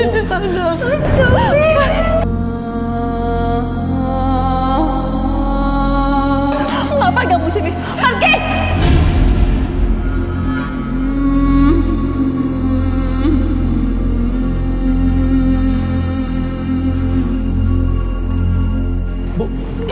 ngapain kamu disini